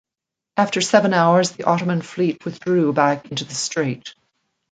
After seven hours, the Ottoman fleet withdrew back into the Strait.